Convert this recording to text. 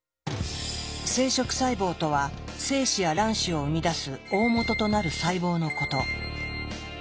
生殖細胞とは精子や卵子を生み出す大本となる細胞のこと。